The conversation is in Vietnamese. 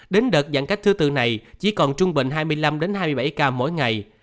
đến đợt giãn cách thứ tư này chỉ còn trung bình hai mươi năm hai mươi bảy ca mỗi ngày